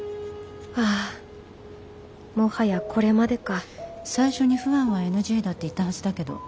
ああもはやこれまでか最初にファンはＮＧだって言ったはずだけど。